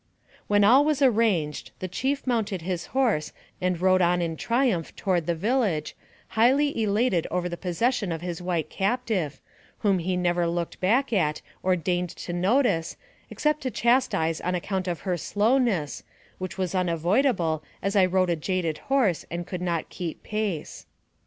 When all was arranged, the chief mounted his horse and rode on in triumph toward the village, highly elated over the possession of his white captive, whom he never looked back at or deigned to notice, except to chastise on account of her slowness, which was una voidable, as I rode a jaded horse, and could not keep pace.